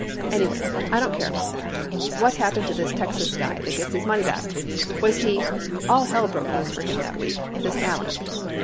Anyway, I don't care about that. What happened to this Texas guy that gets his money back? Was he — all hell broke loose for him that week. This Allen.